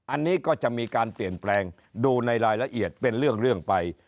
อันนี้ก็จะมีการเปลี่ยนแปลงดูในรายละเอียดเป็นเรื่องไป